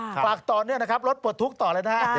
ฝากต่อเนื่องนะครับรถปลดทุกข์ต่อเลยนะฮะ